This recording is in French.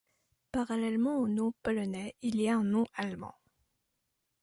Parallèlement au nom polonais, il y a un nom allemand.